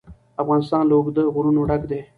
افغانستان له اوږده غرونه ډک دی.